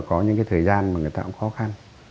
có những cái thời gian mà người ta cũng khó khăn